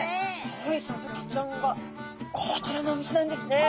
スズキちゃんがこちらのお店なんですね。